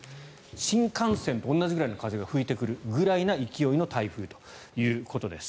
新幹線と同じぐらいの風が吹いてくるぐらいな勢いの台風ということです。